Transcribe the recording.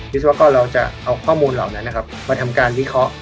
วิศวกรเราจะเอาข้อมูลเหล่านั้นนะครับมาทำการวิเคราะห์